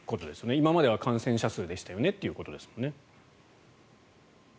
今までは感染者数でしたよねということですもんね。